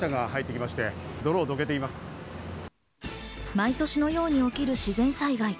毎年のように起きる自然災害。